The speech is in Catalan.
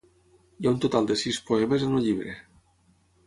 Hi ha un total de sis poemes en el llibre.